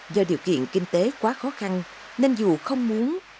do điều kiện kinh tế quá khó khăn nên dù không muốn